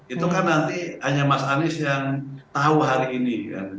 itu kan nanti hanya mas anies yang tahu hari ini